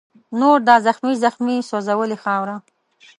نور دا زخمې زخمي سوځلې خاوره